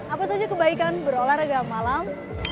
apa saja kebaikan berolahraga malam